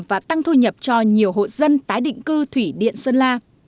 và tăng thu nhập cho nhiều hộ dân tái định cư thủy điện sơn la